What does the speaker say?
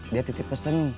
dia titik pesen